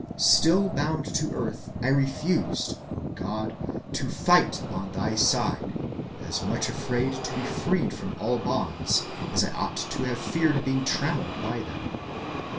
Still bound to earth, I refused, O God, to fight on thy side, as much afraid to be freed from all bonds, as I ought to have feared being trammeled by them.